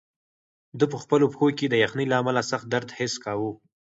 ده په خپلو پښو کې د یخنۍ له امله سخت درد حس کاوه.